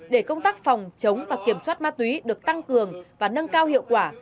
để công tác phòng chống và kiểm soát ma túy được tăng cường và nâng cao hiệu quả